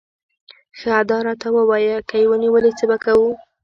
ښه ته داراته ووایه، که یې ونیولې، څه به کوو؟